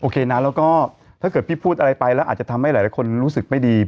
แล้วก็ถ้าเกิดพี่พูดอะไรไปแล้วอาจจะทำให้หลายคนรู้สึกไม่ดี